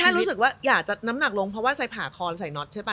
เราแค่รู้สึกว่าอย่าจัดน้ำหนักลงเพราะว่าใส่ผาคอใส่น็อตใช่ป่ะ